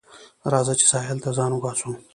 راځه چې ساحل ته ځان وباسو